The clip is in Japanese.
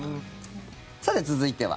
さて、続いては。